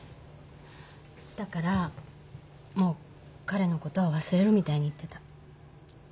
だからもう彼のことは忘れるみたいに言ってた。